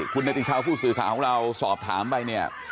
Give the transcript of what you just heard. คุณนาฬิชาวผู้สื่อข่าวของเราสอบถามไปเนี่ย